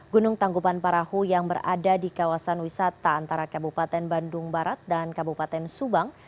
gunung tanggupan parahu yang berada di kawasan wisata antara kabupaten bandung barat dan kabupaten subang